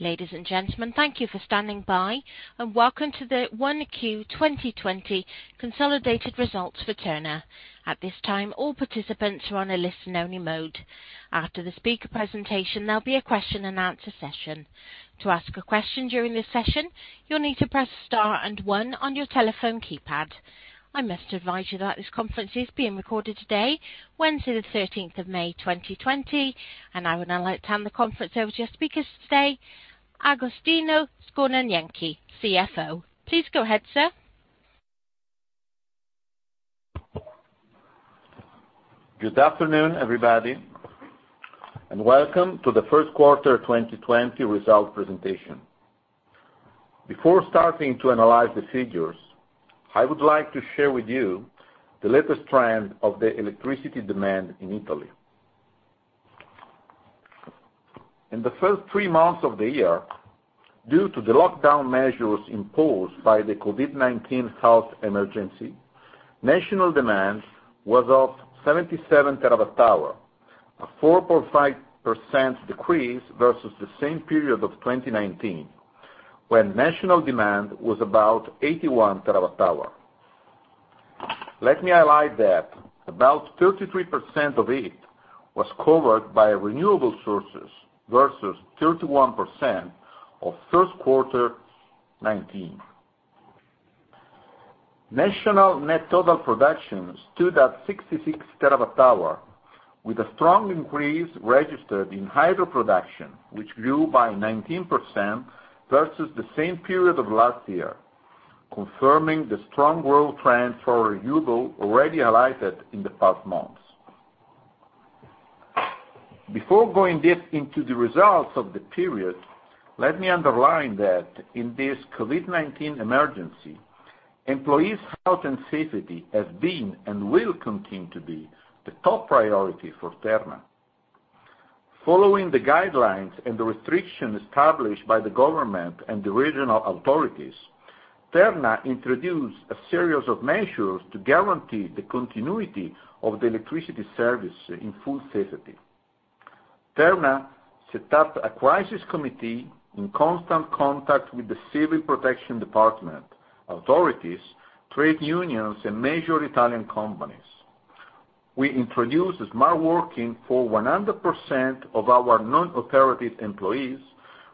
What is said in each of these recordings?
Ladies and gentlemen, thank you for standing by, and welcome to the 1Q 2020 consolidated results for Terna. At this time, all participants are on a listen-only mode. After the speaker presentation, there'll be a question and answer session. To ask a question during this session, you'll need to press Star and One on your telephone keypad. I must advise you that this conference is being recorded today, Wednesday, the 13th of May 2020, and I would now like to hand the conference over to our speakers today, Agostino Scornajenchi, CFO. Please go ahead, sir. Good afternoon, everybody, welcome to the first quarter 2020 result presentation. Before starting to analyze the figures, I would like to share with you the latest trend of the electricity demand in Italy. In the first three months of the year, due to the lockdown measures imposed by the COVID-19 health emergency, national demand was up 77 terawatt-hour, a 4.5% decrease versus the same period of 2019, when national demand was about 81 terawatt-hour. Let me highlight that about 33% of it was covered by renewable sources versus 31% of first quarter 2019. National net total production stood at 66 terawatt-hour with a strong increase registered in hydro production, which grew by 19% versus the same period of last year, confirming the strong growth trend for renewable already highlighted in the past months. Before going deep into the results of the period, let me underline that in this COVID-19 emergency, employees' health and safety have been and will continue to be the top priority for Terna. Following the guidelines and the restrictions established by the government and the regional authorities, Terna introduced a series of measures to guarantee the continuity of the electricity service in full safety. Terna set up a crisis committee in constant contact with the Civil Protection Department, authorities, trade unions, and major Italian companies. We introduced smart working for 100% of our non-authoritative employees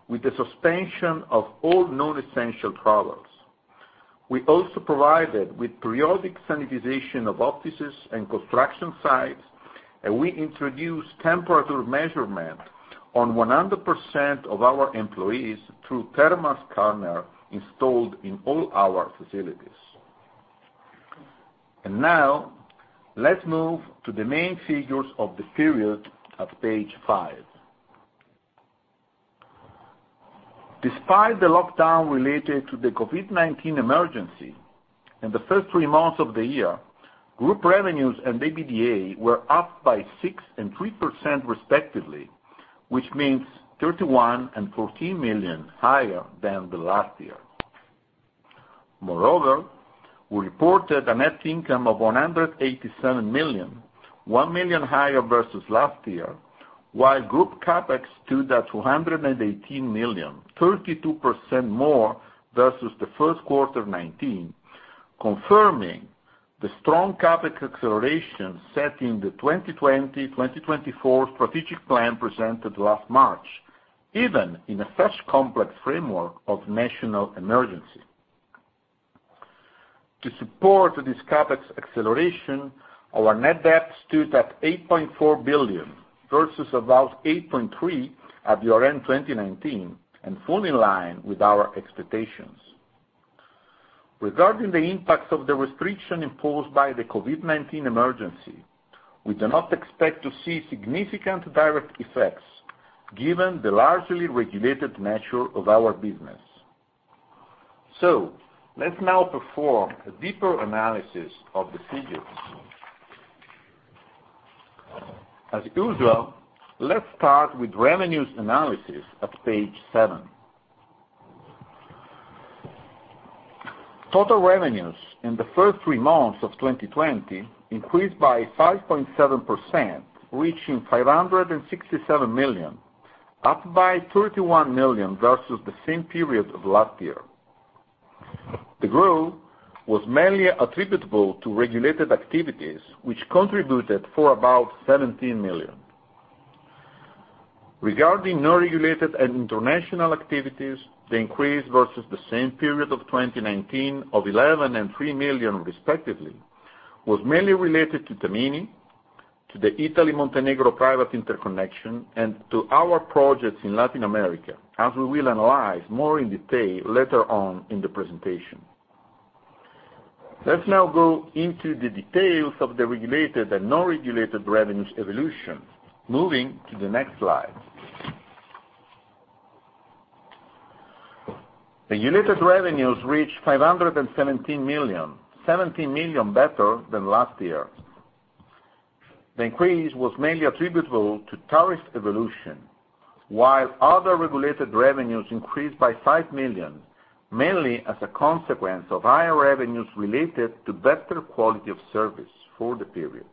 with the suspension of all non-essential travels. We also provided with periodic sanitization of offices and construction sites, and we introduced temperature measurement on 100% of our employees through thermal scanner installed in all our facilities. Now, let's move to the main figures of the period on page five. Despite the lockdown related to the COVID-19 emergency, in the first three months of the year, group revenues and EBITDA were up by 6% and 3% respectively, which means 31 million and 14 million higher than the last year. Moreover, we reported a net income of 187 million, 1 million higher versus last year, while group CapEx stood at 218 million, 32% more versus the first quarter of 2019, confirming the strong CapEx acceleration set in the 2020-2024 strategic plan presented last March, even in a such complex framework of national emergency. To support this CapEx acceleration, our net debt stood at 8.4 billion versus about 8.3 billion at the year-end 2019, and full in line with our expectations. Regarding the impact of the restriction imposed by the COVID-19 emergency, we do not expect to see significant direct effects given the largely regulated nature of our business. Let's now perform a deeper analysis of the figures. As usual, let's start with revenues analysis on page seven. Total revenues in the first three months of 2020 increased by 5.7%, reaching 567 million, up by 31 million versus the same period of last year. The growth was mainly attributable to regulated activities, which contributed for about 17 million. Regarding non-regulated and international activities, the increase versus the same period of 2019 of 11 million and 3 million, respectively, was mainly related to Tamini, to the Italy-Montenegro private interconnection, and to our projects in Latin America, as we will analyze more in detail later on in the presentation. Let's now go into the details of the regulated and non-regulated revenues evolution, moving to the next slide. The regulated revenues reached 517 million, 17 million better than last year. The increase was mainly attributable to tariff evolution, while other regulated revenues increased by 5 million, mainly as a consequence of higher revenues related to better quality of service for the period.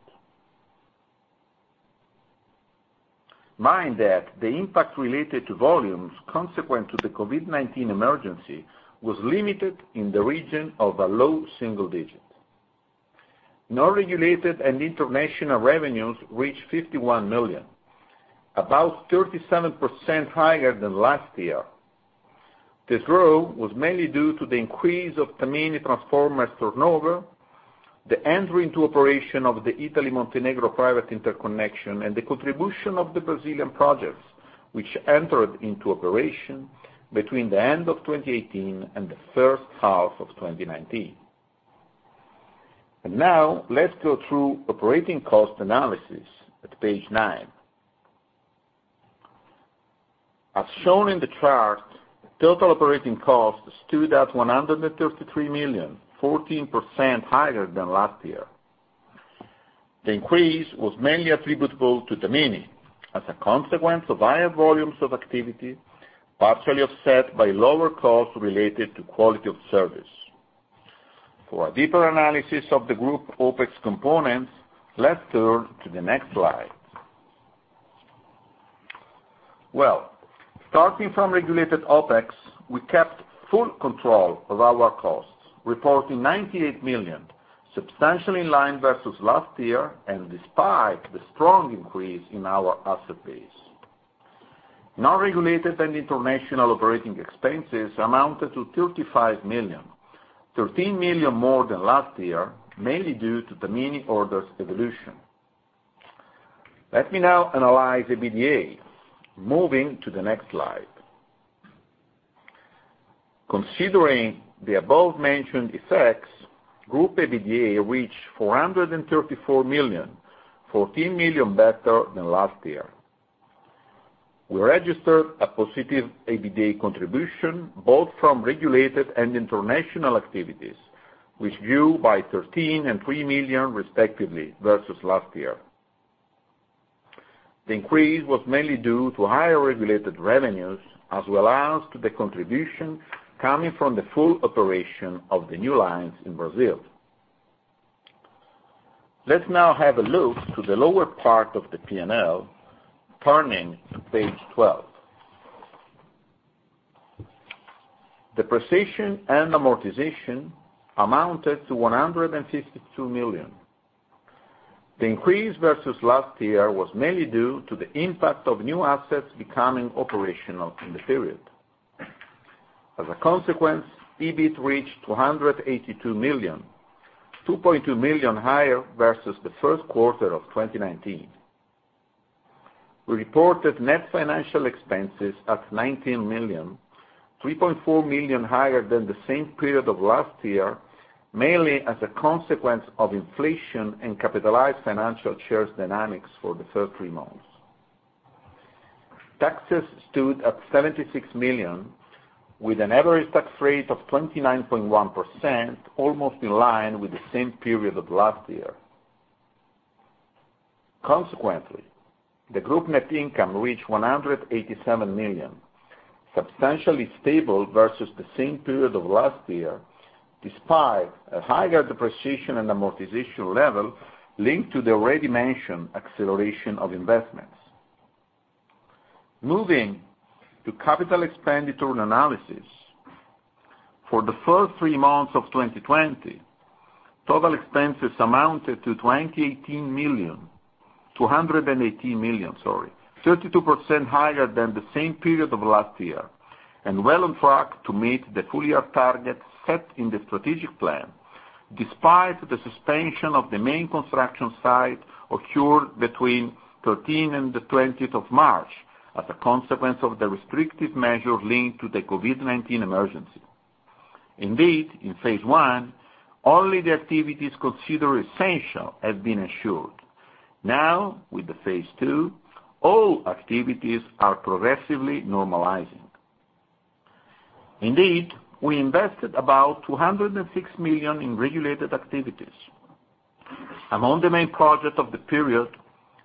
Mind that the impact related to volumes consequent to the COVID-19 emergency was limited in the region of a low single digit. Non-regulated and international revenues reached 51 million, about 37% higher than last year. This growth was mainly due to the increase of Tamini transformer turnover, the entry into operation of the Italy-Montenegro interconnection, and the contribution of the Brazilian projects, which entered into operation between the end of 2018 and the first half of 2019. Now let's go through operating cost analysis at page nine. As shown in the chart, total operating costs stood at 133 million, 14% higher than last year. The increase was mainly attributable to Terna as a consequence of higher volumes of activity, partially offset by lower costs related to quality of service. For a deeper analysis of the group OpEx components, let's turn to the next slide. Well, starting from regulated OpEx, we kept full control of our costs, reporting 98 million, substantially in line versus last year and despite the strong increase in our asset base. Non-regulated and international operating expenses amounted to 35 million, 13 million more than last year, mainly due to Tamini orders evolution. Let me now analyze the EBITDA. Moving to the next slide. Considering the above-mentioned effects, group EBITDA reached 434 million, 14 million better than last year. We registered a positive EBITDA contribution both from regulated and international activities, which grew by 13 and three million, respectively, versus last year. The increase was mainly due to higher regulated revenues, as well as to the contribution coming from the full operation of the new lines in Brazil. Let's now have a look to the lower part of the P&L, turning to page 12. Depreciation and amortization amounted to 152 million. The increase versus last year was mainly due to the impact of new assets becoming operational in the period. As a consequence, EBIT reached 282 million, 2.2 million higher versus the first quarter of 2019. We reported net financial expenses at 19 million, 3.4 million higher than the same period of last year, mainly as a consequence of inflation and capitalized financial shares dynamics for the first three months. Taxes stood at 76 million with an average tax rate of 29.1%, almost in line with the same period of last year. Consequently, the group net income reached 187 million, substantially stable versus the same period of last year, despite a higher depreciation and amortization level linked to the already mentioned acceleration of investments. Moving to capital expenditure analysis. For the first three months of 2020, total expenses amounted to 218 million, 32% higher than the same period of last year, well on track to meet the full-year target set in the strategic plan, despite the suspension of the main construction site occurred between 13th and the 20th of March as a consequence of the restrictive measures linked to the COVID-19 emergency. In phase one, only the activities considered essential have been assured. With the phase two, all activities are progressively normalizing. We invested about 206 million in regulated activities. Among the main projects of the period,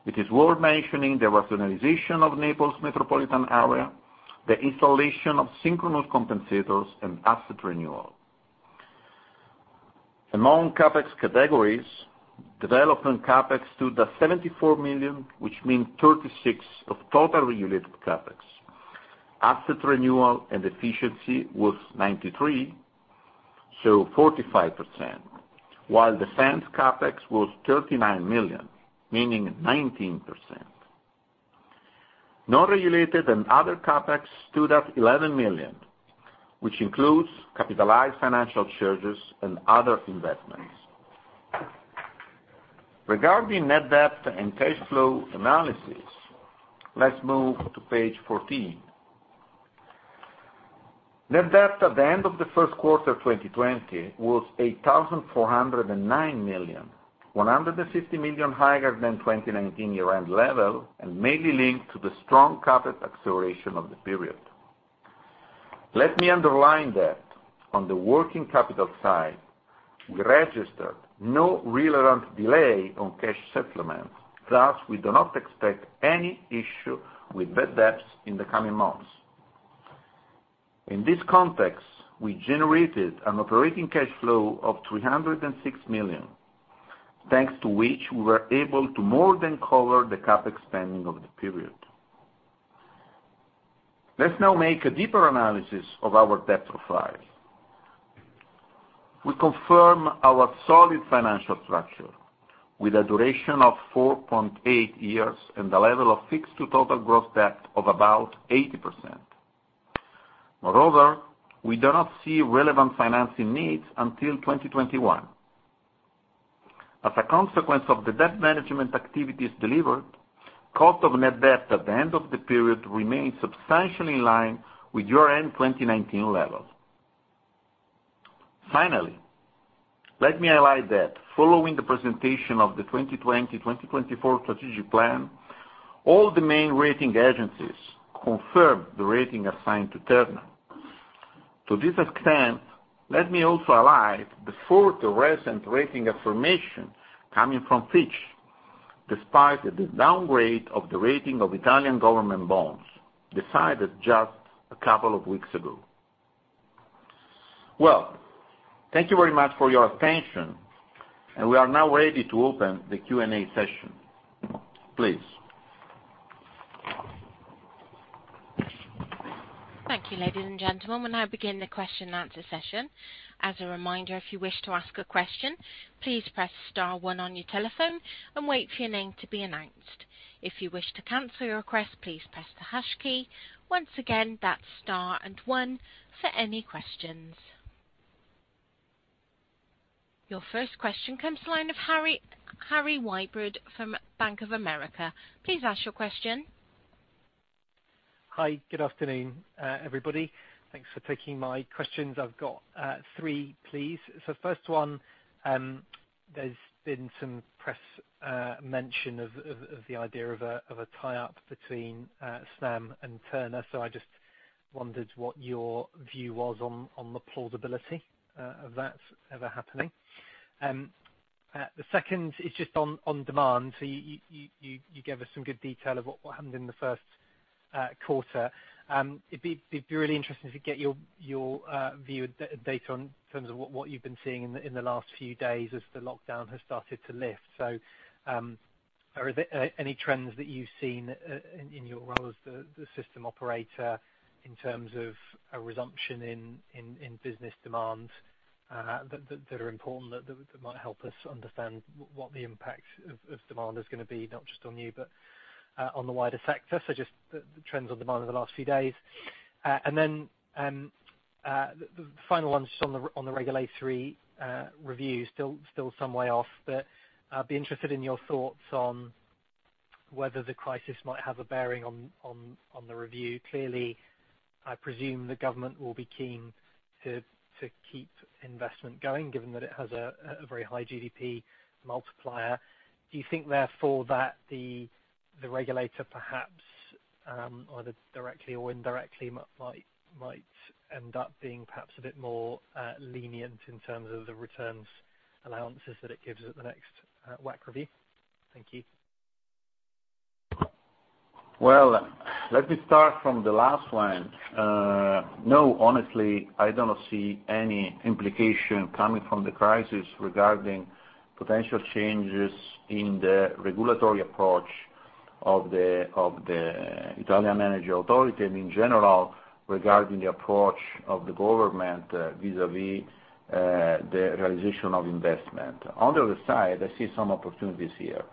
it is worth mentioning the rationalization of Naples metropolitan area, the installation of synchronous compensators, and asset renewal. Among CapEx categories, development CapEx stood at 74 million, which means 36% of total regulated CapEx. Asset renewal and efficiency was 93, so 45%, while the standard CapEx was 39 million, meaning 19%. Non-regulated and other CapEx stood at 11 million, which includes capitalized financial charges and other investments. Regarding net debt and cash flow analysis, let's move to page 14. Net debt at the end of the first quarter 2020 was 8,409 million, 150 million higher than 2019 year-end level, and mainly linked to the strong CapEx acceleration of the period. Let me underline that on the working capital side, we registered no relevant delay on cash settlements, thus we do not expect any issue with bad debts in the coming months. In this context, we generated an operating cash flow of 306 million, thanks to which we were able to more than cover the CapEx spending of the period. Let's now make a deeper analysis of our debt profile. We confirm our solid financial structure with a duration of 4.8 years and a level of fixed to total gross debt of about 80%. Moreover, we do not see relevant financing needs until 2021. As a consequence of the debt management activities delivered, cost of net debt at the end of the period remained substantially in line with year-end 2019 levels. Let me highlight that following the presentation of the 2020-2024 strategic plan, all the main rating agencies confirmed the rating assigned to Terna. To this extent, let me also highlight the fourth recent rating affirmation coming from Fitch, despite the downgrade of the rating of Italian government bonds, decided just a couple of weeks ago. Thank you very much for your attention, and we are now ready to open the Q&A session. Please. Thank you, ladies and gentlemen. We'll now begin the question and answer session. As a reminder, if you wish to ask a question, please press star one on your telephone and wait for your name to be announced. If you wish to cancel your request, please press the hash key. Once again, that's star and one for any questions. Your first question comes to the line of Harry Wyburd from Bank of America. Please ask your question. Hi. Good afternoon, everybody. Thanks for taking my questions. I've got three, please. First one, there's been some press mention of the idea of a tie-up between Snam and Terna. I just wondered what your view was on the plausibility of that ever happening. The second is just on demand. You gave us some good detail of what happened in the first quarter. It'd be really interesting to get your view data in terms of what you've been seeing in the last few days as the lockdown has started to lift. Are there any trends that you've seen in your role as the system operator in terms of a resumption in business demand that are important, that might help us understand what the impact of demand is going to be, not just on you, but on the wider sector? Just the trends on demand in the last few days. Then, the final one, just on the regulatory review. Still some way off, but I'd be interested in your thoughts on whether the crisis might have a bearing on the review. Clearly, I presume the government will be keen to keep investment going, given that it has a very high GDP multiplier. Do you think, therefore, that the regulator perhaps, either directly or indirectly, might end up being perhaps a bit more lenient in terms of the returns allowances that it gives at the next WACC review? Thank you. Let me start from the last one. No, honestly, I do not see any implication coming from the crisis regarding potential changes in the regulatory approach of the Italian Energy Authority, and in general, regarding the approach of the government vis-a-vis the realization of investment. On the other side, I see some opportunities here.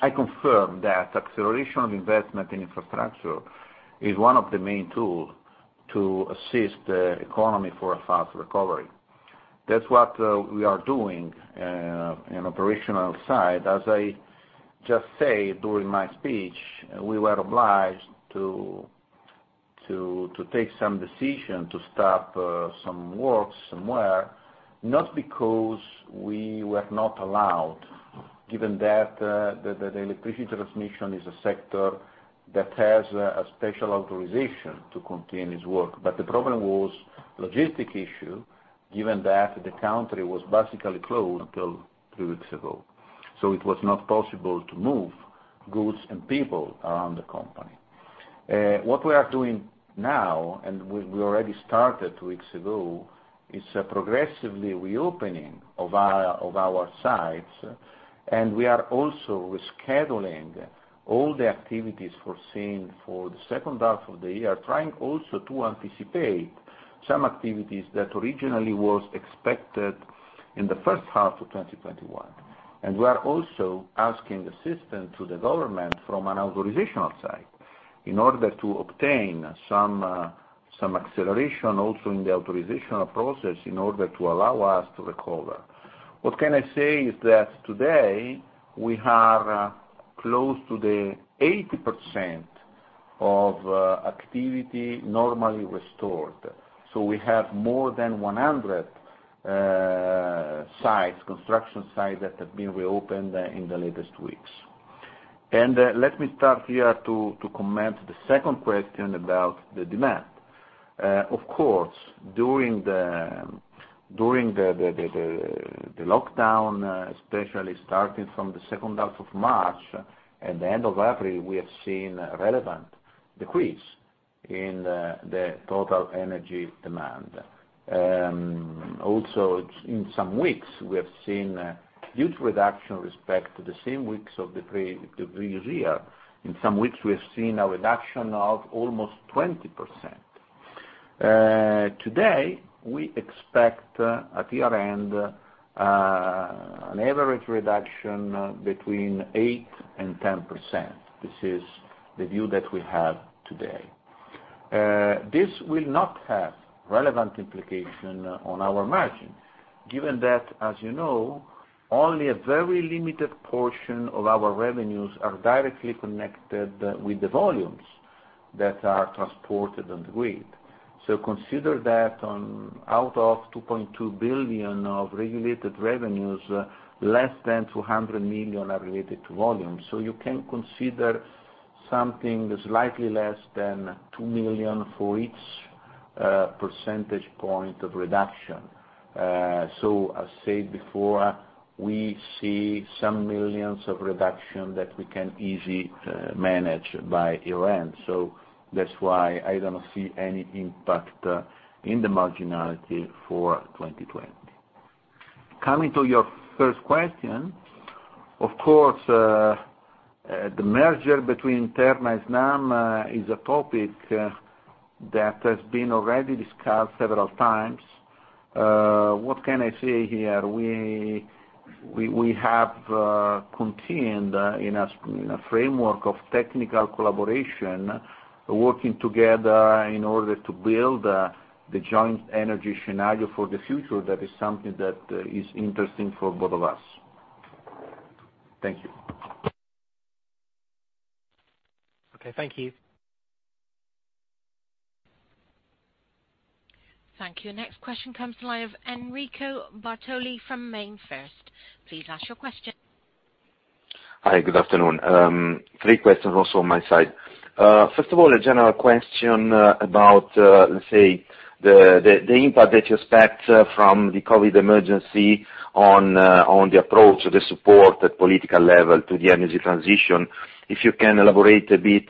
I confirm that acceleration of investment in infrastructure is one of the main tools to assist the economy for a fast recovery. That's what we are doing in operational side. As I just said during my speech, we were obliged to take some decision to stop some work somewhere, not because we were not allowed, given that the electricity transmission is a sector that has a special authorization to continue its work. The problem was logistic issue, given that the country was basically closed until two weeks ago. It was not possible to move goods and people around the company. What we are doing now, and we already started two weeks ago, is progressively reopening of our sites, and we are also rescheduling all the activities foreseen for the second half of the year, trying also to anticipate some activities that originally was expected in the first half of 2021. We are also asking assistance to the government from an authorizational side in order to obtain some acceleration also in the authorizational process in order to allow us to recover. What can I say is that today, we are close to the 80% of activity normally restored. We have more than 100 sites, construction sites, that have been reopened in the latest weeks. Let me start here to comment the second question about the demand. Of course, during the lockdown, especially starting from the second half of March and the end of April, we have seen relevant decrease in the total energy demand. Also, in some weeks, we have seen a huge reduction with respect to the same weeks of the previous year. In some weeks, we have seen a reduction of almost 20%. Today, we expect at year-end, an average reduction between 8% and 10%. This is the view that we have today. This will not have relevant implication on our margin, given that, as you know, only a very limited portion of our revenues are directly connected with the volumes that are transported on the grid. Consider that out of 2.2 billion of regulated revenues, less than 200 million are related to volume. You can consider something slightly less than two million for each percentage point of reduction. As said before, we see some millions of reduction that we can easily manage by year-end. That's why I don't see any impact in the marginality for 2020. Coming to your first question, of course, the merger between Terna and Snam is a topic that has been already discussed several times. What can I say here? We have continued in a framework of technical collaboration, working together in order to build the joint energy scenario for the future. That is something that is interesting for both of us. Thank you. Okay. Thank you. Thank you. Next question comes live, Enrico Bartoli from MainFirst. Please ask your question. Hi, good afternoon. Three questions also on my side. First of all, a general question about, let's say, the impact that you expect from the COVID emergency on the approach or the support at political level to the energy transition. If you can elaborate a bit,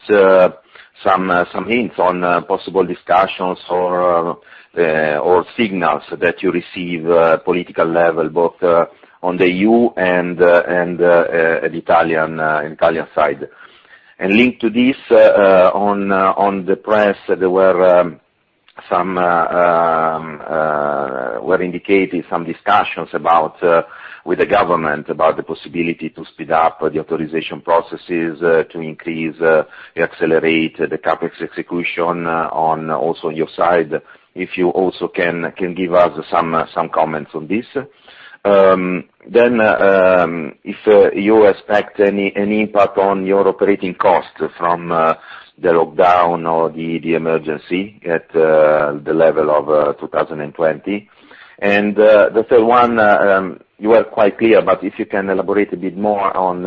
some hints on possible discussions or signals that you receive political level, both on the EU and Italian side. Linked to this, on the press, there were indicated some discussions with the government about the possibility to speed up the authorization processes to increase, accelerate the CapEx execution on also your side, if you also can give us some comments on this. If you expect any impact on your operating costs from the lockdown or the emergency at the level of 2020. The third one, you are quite clear, but if you can elaborate a bit more on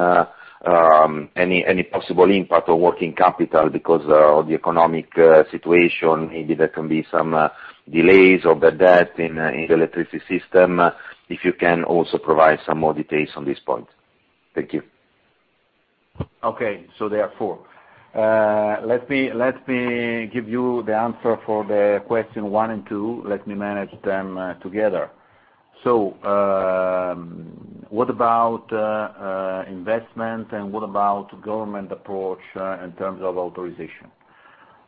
any possible impact on working capital because of the economic situation, maybe there can be some delays or bad debt in the electricity system, if you can also provide some more details on this point. Thank you. Okay, there are four. Let me give you the answer for the question one and two. Let me manage them together. What about investment and what about government approach in terms of authorization?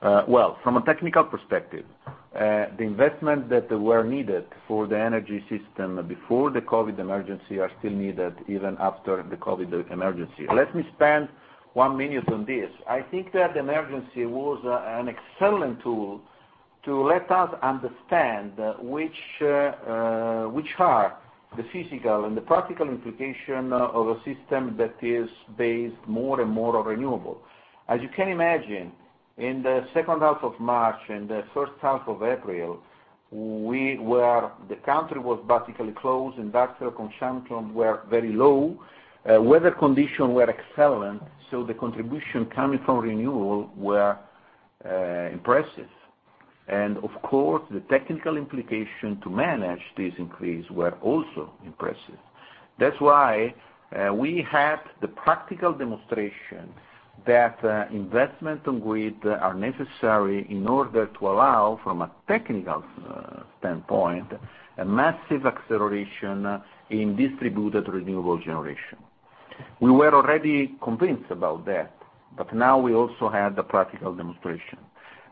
Well, from a technical perspective, the investment that were needed for the energy system before the COVID emergency are still needed even after the COVID emergency. Let me spend one minute on this. I think that the emergency was an excellent tool to let us understand which are the physical and the practical implication of a system that is based more and more on renewable. As you can imagine, in the second half of March and the first half of April, the country was basically closed, industrial consumption were very low. Weather condition were excellent, so the contribution coming from renewable were impressive. Of course, the technical implication to manage this increase were also impressive. That's why we had the practical demonstration that investment on grid are necessary in order to allow, from a technical standpoint, a massive acceleration in distributed renewable generation. We were already convinced about that, but now we also have the practical demonstration.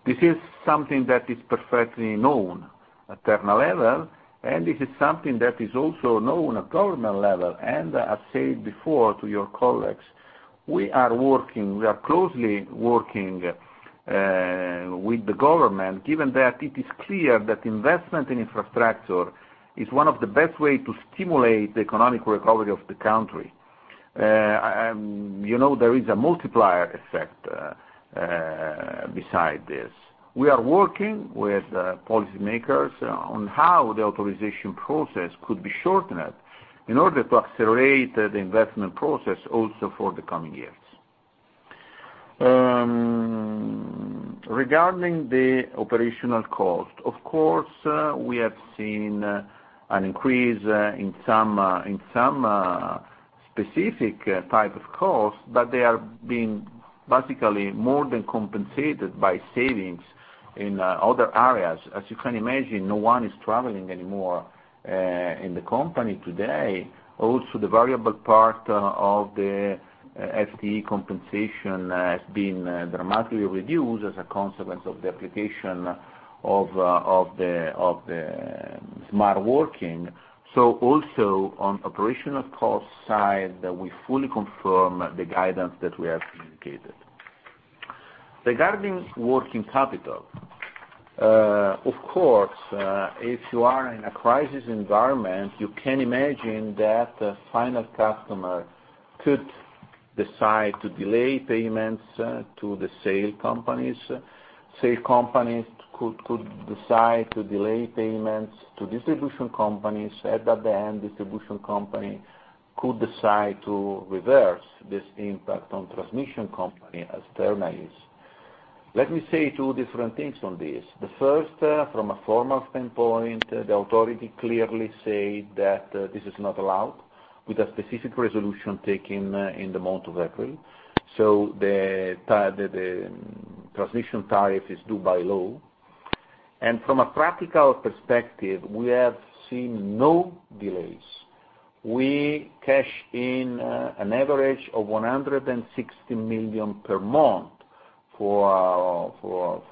This is something that is perfectly known at Terna level, and this is something that is also known at government level. I've said before to your colleagues, we are closely working with the government, given that it is clear that investment in infrastructure is one of the best way to stimulate the economic recovery of the country. There is a multiplier effect besides this. We are working with policy makers on how the authorization process could be shortened in order to accelerate the investment process also for the coming years. Regarding the operational cost, of course, we have seen an increase in some specific type of costs, but they are being basically more than compensated by savings in other areas. As you can imagine, no one is traveling anymore in the company today. Also, the variable part of the FTE compensation has been dramatically reduced as a consequence of the application of the smart working. Also on operational cost side, we fully confirm the guidance that we have communicated. Regarding working capital, of course, if you are in a crisis environment, you can imagine that the final customer could decide to delay payments to the sale companies. Sale companies could decide to delay payments to distribution companies. At the end, distribution company could decide to reverse this impact on transmission company as Terna is. Let me say two different things on this. The first, from a formal standpoint, the authority clearly say that this is not allowed with a specific resolution taken in the month of April. The transmission tariff is due by law. From a practical perspective, we have seen no delays. We cash in an average of 160 million per month for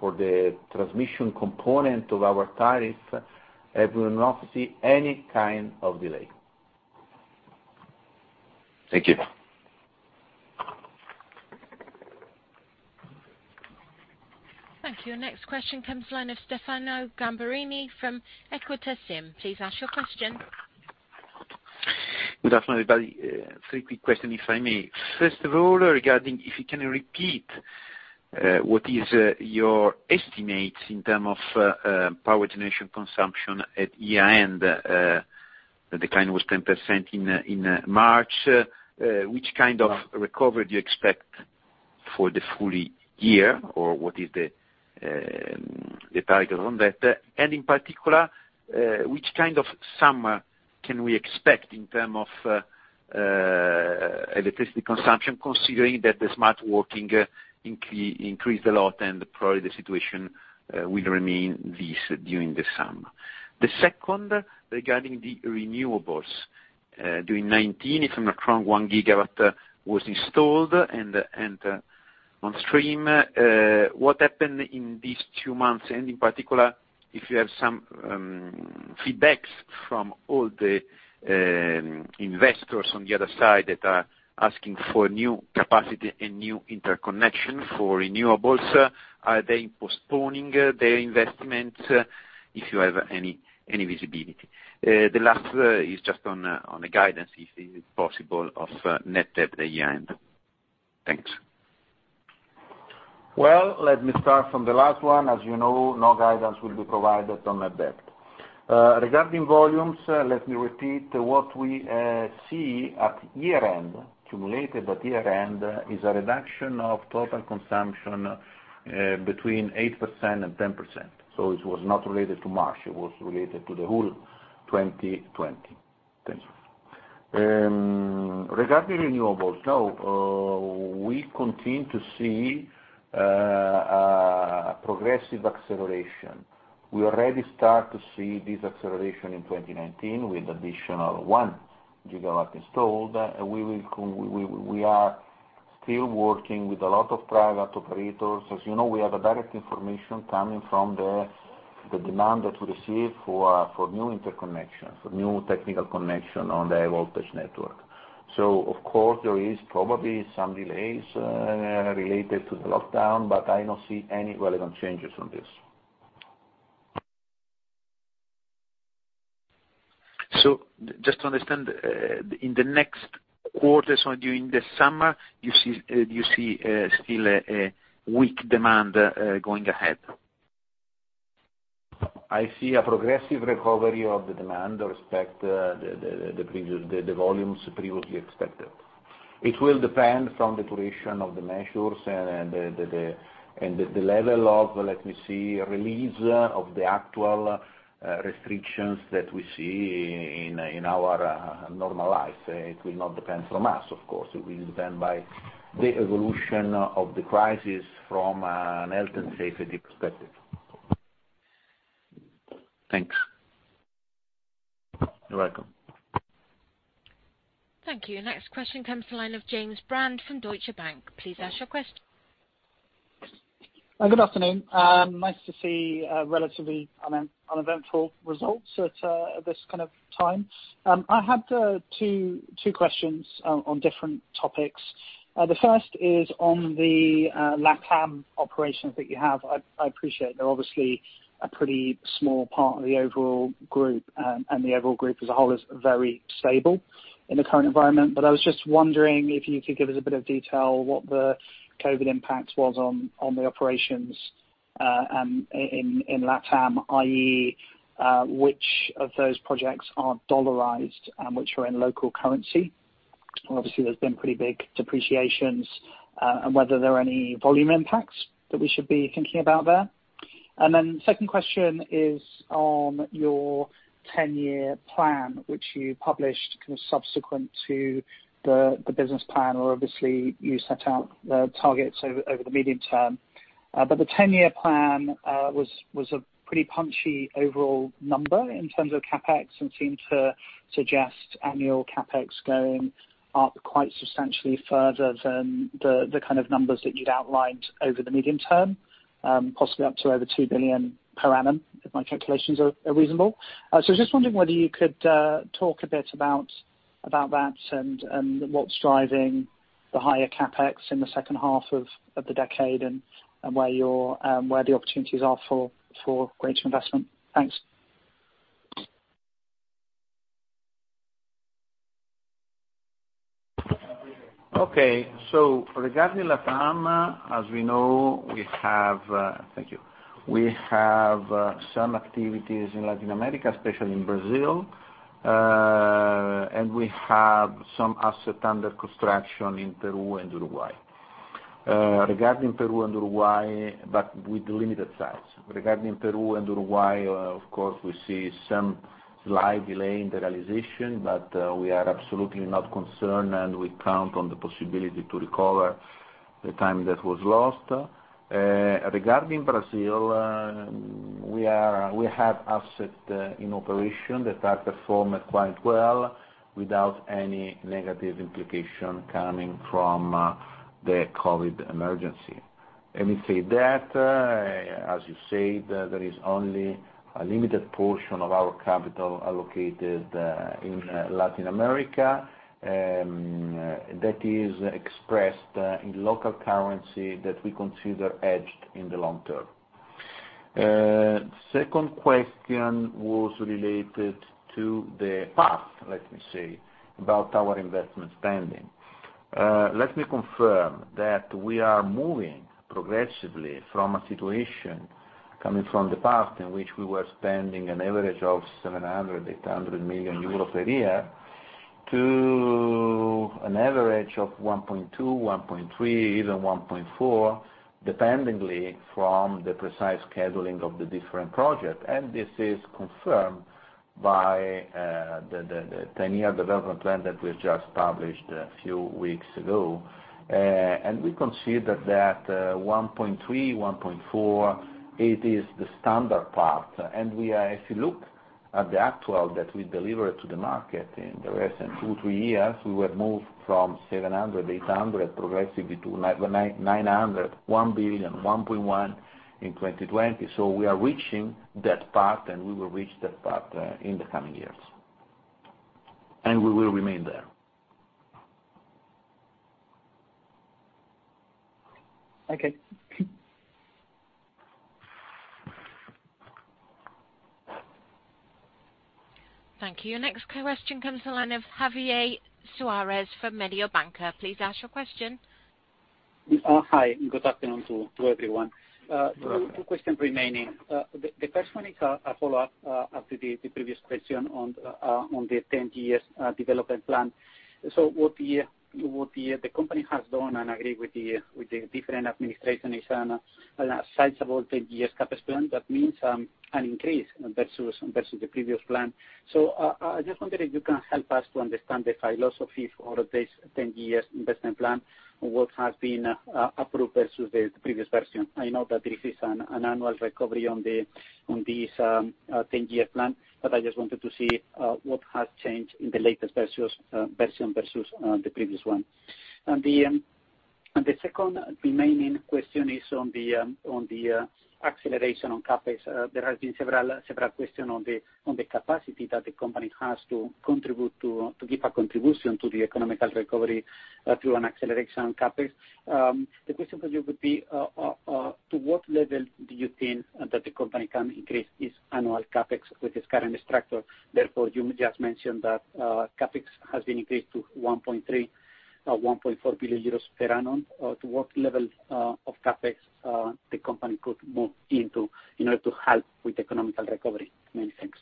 the transmission component of our tariff, and we will not see any kind of delay. Thank you. Thank you. Next question comes the line of Stefano Gamberini from Equita SIM. Please ask your question. Good afternoon, everybody. Three quick question, if I may. First of all, regarding if you can repeat what is your estimate in term of power generation consumption at year-end, the decline was 10% in March. Which kind of recovery do you expect for the full year, or what is the target on that? In particular, which kind of summer can we expect in term of electricity consumption, considering that the smart working increased a lot and probably the situation will remain this during the summer? The second, regarding the renewables. During 2019, if I'm not wrong, one gigawatt was installed and on stream. What happened in these two months? In particular, if you have some feedbacks from all the investors on the other side that are asking for new capacity and new interconnection for renewables, are they postponing their investment? If you have any visibility. The last is just on the guidance, if it is possible, of net debt at year-end. Thanks. Well, let me start from the last one. As you know, no guidance will be provided on net debt. Regarding volumes, let me repeat what we see at year-end, cumulative at year-end, is a reduction of total consumption between 8% and 10%. It was not related to March, it was related to the whole 2020. Thanks. Regarding renewables, now, we continue to see a progressive acceleration. We already start to see this acceleration in 2019 with additional one gigawatt installed. We are still working with a lot of private operators. As you know, we have a direct information coming from the demand that we receive for new interconnection, for new technical connection on the high voltage network. Of course, there is probably some delays related to the lockdown, but I don't see any relevant changes on this. Just to understand, in the next quarters or during the summer, you see still a weak demand going ahead? I see a progressive recovery of the demand respect the volumes previously expected. It will depend from the duration of the measures and the level of, let me see, release of the actual restrictions that we see in our normal life. It will not depend from us, of course. It will depend by the evolution of the crisis from an health and safety perspective. Thanks. You're welcome. Thank you. Next question comes the line of James Brand from Deutsche Bank. Please ask your question. Good afternoon. Nice to see relatively uneventful results at this kind of time. I have two questions on different topics. The first is on the LatAm operations that you have. I appreciate they're obviously a pretty small part of the overall group, and the overall group as a whole is very stable in the current environment. I was just wondering if you could give us a bit of detail what the COVID impact was on the operations and in LatAm, i.e., which of those projects are dollarized and which are in local currency? Obviously, there's been pretty big depreciations, and whether there are any volume impacts that we should be thinking about there. Second question is on your 10-year plan, which you published subsequent to the business plan, where obviously you set out the targets over the medium term. The 10-year plan was a pretty punchy overall number in terms of CapEx and seemed to suggest annual CapEx going up quite substantially further than the kind of numbers that you'd outlined over the medium term, possibly up to over 2 billion per annum, if my calculations are reasonable. I was just wondering whether you could talk a bit about that and what's driving the higher CapEx in the second half of the decade and where the opportunities are for greater investment. Thanks. Okay. Regarding LatAm, as we know, we have Thank you. We have some activities in Latin America, especially in Brazil. We have some asset under construction in Peru and Uruguay. With limited size. Regarding Peru and Uruguay, of course, we see some slight delay in the realization, but we are absolutely not concerned, and we count on the possibility to recover the time that was lost. Regarding Brazil, we have asset in operation that are performed quite well without any negative implication coming from the COVID emergency. Let me say that, as you said, there is only a limited portion of our capital allocated in Latin America, that is expressed in local currency that we consider hedged in the long term. Second question was related to the path, let me say, about our investment spending. Let me confirm that we are moving progressively from a situation coming from the past in which we were spending an average of 700 million-800 million euros a year, to an average of 1.2 billion, 1.3 billion, even 1.4 billion, dependently from the precise scheduling of the different project. This is confirmed by the 10-year development plan that we've just published a few weeks ago. We consider that 1.3 billion, 1.4 billion, it is the standard path, and if you look at the actual that we delivered to the market in the recent two, three years, we have moved from 700 million-800 million progressively to 900 million, 1 billion, 1.1 billion in 2020. We are reaching that path, and we will reach that path in the coming years. We will remain there. Okay. Thank you. Next question comes in the line of Javier Suárez from Mediobanca. Please ask your question. Hi, good afternoon to everyone. Hello. Two question remaining. The first one is a follow-up after the previous question on the 10 years development plan. What the company has done, and I agree with the different administration inside about 10 years CapEx plan, that means an increase versus the previous plan. I just wonder if you can help us to understand the philosophy for this 10 years investment plan. What has been approved versus the previous version. I know that there is an annual recovery on this 10-year plan, but I just wanted to see what has changed in the latest version versus the previous one. The second remaining question is on the acceleration on CapEx. There has been several question on the capacity that the company has to give a contribution to the economical recovery through an acceleration on CapEx. The question for you would be, to what level do you think that the company can increase its annual CapEx with its current structure? You just mentioned that CapEx has been increased to 1.3 billion or 1.4 billion euros per annum. To what level of CapEx the company could move into in order to help with economical recovery? Many thanks.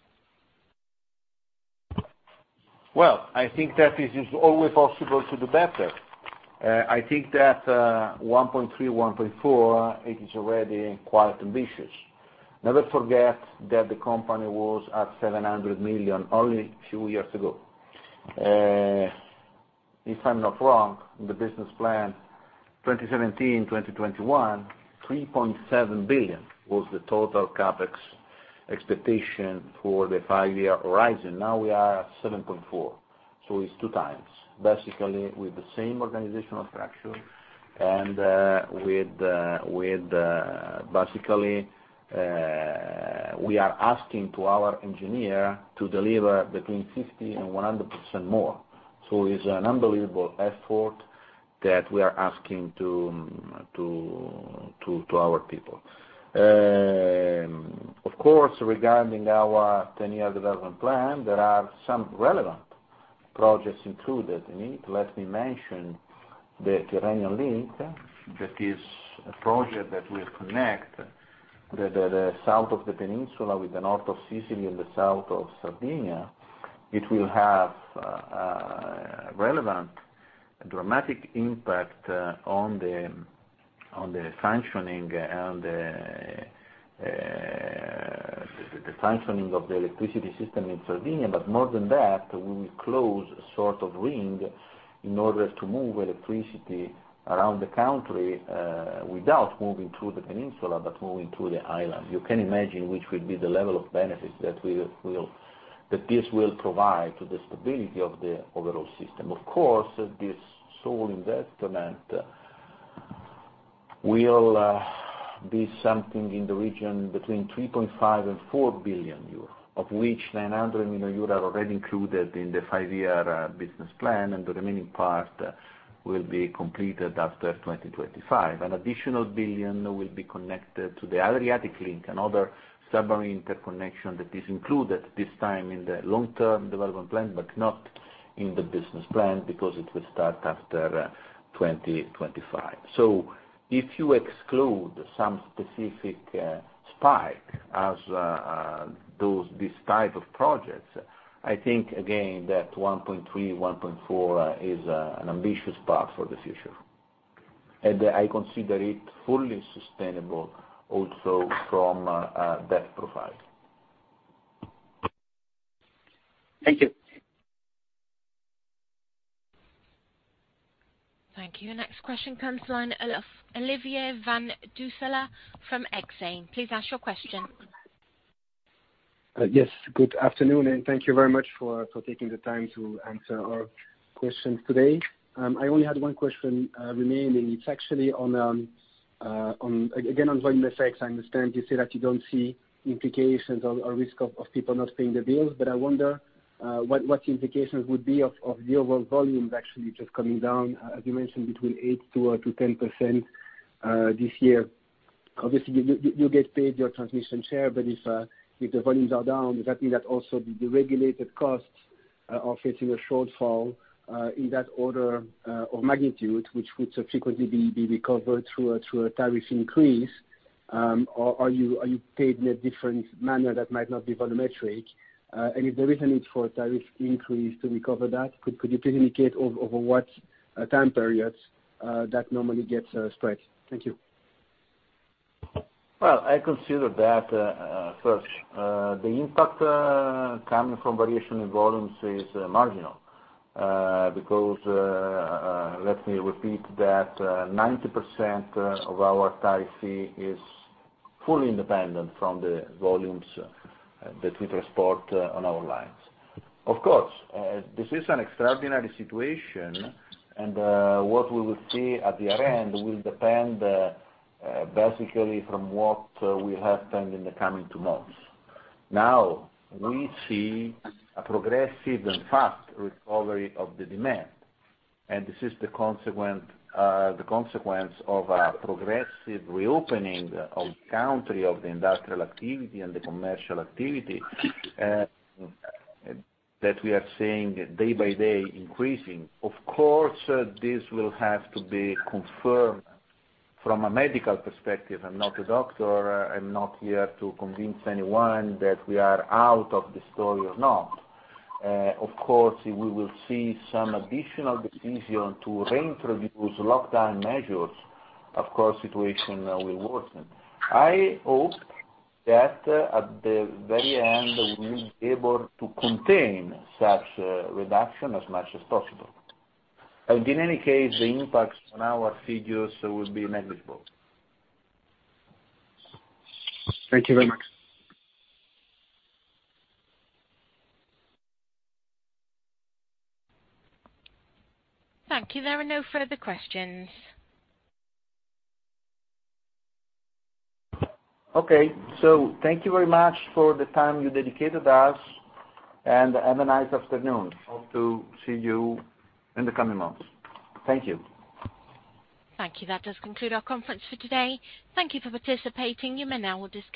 Well, I think that it is always possible to do better. I think that 1.3 billion, 1.4 billion, it is already quite ambitious. Never forget that the company was at 700 million only a few years ago. If I'm not wrong, the business plan 2017, 2021, 3.7 billion was the total CapEx expectation for the five-year horizon. Now we are at 7.4 billion, it's two times. Basically, with the same organizational structure and basically, we are asking to our engineer to deliver between 50% and 100% more. It's an unbelievable effort that we are asking to our people. Of course, regarding our 10-year development plan, there are some relevant projects included in it. Let me mention the Tyrrhenian Link. That is a project that will connect the south of the peninsula with the north of Sicily and the south of Sardinia. It will have relevant dramatic impact on the functioning of the electricity system in Sardinia. More than that, we will close a sort of ring in order to move electricity around the country, without moving through the peninsula, but moving through the island. You can imagine which will be the level of benefits that this will provide to the stability of the overall system. Of course, this sole investment will be something in the region between 3.5 billion and 4 billion euros, of which 900 million euros are already included in the five-year business plan, and the remaining part will be completed after 2025. An additional 1 billion will be connected to the Adriatic Link, another submarine interconnection that is included, this time, in the long-term development plan, but not in the business plan because it will start after 2025. If you exclude some specific spike as these type of projects, I think again, that 1.3, 1.4 is an ambitious path for the future. I consider it fully sustainable also from a debt profile. Thank you. Thank you. Next question comes from line of Olivier van Doosselaere from Exane. Please ask your question. Yes, good afternoon, and thank you very much for taking the time to answer our questions today. I only had one question remaining. It's actually, again, on volume effects. I understand you say that you don't see implications or risk of people not paying their bills, but I wonder what the implications would be of overall volumes actually just coming down, as you mentioned, between 8%-10% this year. Obviously, you get paid your transmission share, but if the volumes are down, does that mean that also the regulated costs are facing a shortfall in that order of magnitude, which would subsequently be recovered through a tariff increase? Are you paid in a different manner that might not be volumetric? If there is a need for a tariff increase to recover that, could you please indicate over what time periods that normally gets spread? Thank you. I consider that, first, the impact coming from variation in volumes is marginal, because, let me repeat that 90% of our tariff fee is fully independent from the volumes that we transport on our lines. Of course, this is an extraordinary situation, and what we will see at the other end will depend, basically, from what will happen in the coming two months. Now, we see a progressive and fast recovery of the demand, and this is the consequence of a progressive reopening of the country, of the industrial activity, and the commercial activity, that we are seeing day by day increasing. Of course, this will have to be confirmed from a medical perspective. I'm not a doctor. I'm not here to convince anyone that we are out of the story or not. Of course, if we will see some additional decision to reintroduce lockdown measures, of course, situation will worsen. I hope that at the very end, we will be able to contain such a reduction as much as possible. In any case, the impacts on our figures will be negligible. Thank you very much. Thank you. There are no further questions. Okay, thank you very much for the time you dedicated to us, and have a nice afternoon. Hope to see you in the coming months. Thank you. Thank you. That does conclude our conference for today. Thank you for participating. You may now disconnect.